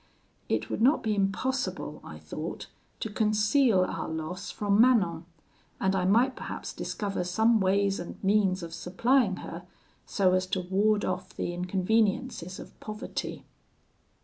It would not be impossible, I thought, to conceal our loss from Manon; and I might perhaps discover some ways and means of supplying her, so as to ward off the inconveniences of poverty.